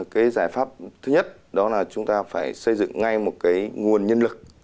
cái giải pháp thứ nhất đó là chúng ta phải xây dựng ngay một cái nguồn nhân lực